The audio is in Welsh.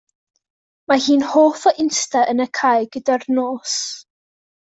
Mae hi'n hoff o ista yn y cae gyda'r nos.